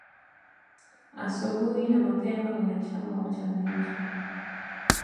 Asubuhi na mapema mwanachama wa chama hicho